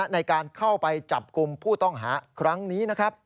ในการเข้าไปจับกลุ่มผู้ต้องหาครั้งนี้นะครับ